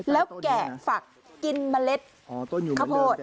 แล้วแกะฝักกินเมล็ดข้าวโพด